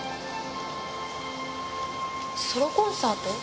ソロコンサート？